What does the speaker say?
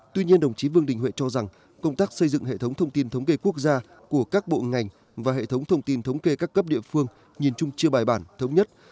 tuy nhiên đồng chí vương đình huệ cho rằng công tác xây dựng hệ thống thông tin thống kê quốc gia của các bộ ngành và hệ thống thông tin thống kê các cấp địa phương nhìn chung chưa bài bản thống nhất